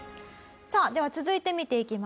さあでは続いて見ていきましょう。